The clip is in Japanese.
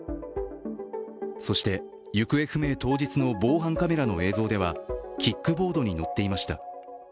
そして行方不明当日の防犯カメラの映像ではキックボードに乗っていました。